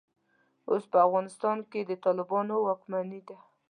اوس په افغانستان کې د طالبانو واکمني ده.